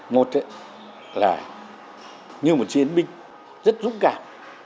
một là như một chiến binh rất dũng cảm